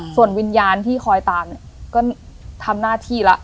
ส่วนวิญญาณที่คอยตามเนี่ยก็ทำหน้าที่แล้ว